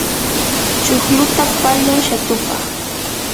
chuqluta pallay shatupaq.